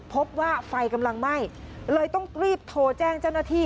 พบว่าไฟกำลังไหม้เลยต้องรีบโทรแจ้งเจ้าหน้าที่